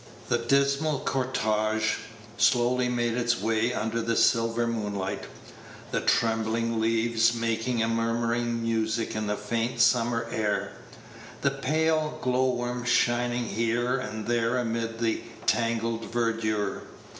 The dismal cortége slowly made its way under the silver moonlight, the trembling leaves making a murmuring music in the faint summer air, the pale glowworm sshining here and there amid the tangled verdure.